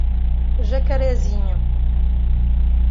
Jacarezinho